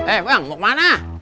eh bang mau kemana